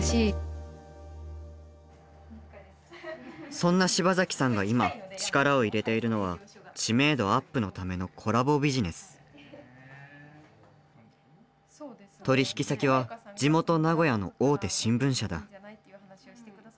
そんな柴崎さんが今力を入れているのは知名度アップのための取引先は地元名古屋の大手新聞社だ。